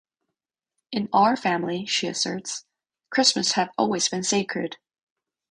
"In our family," she asserts, "Christmas had always been sacred.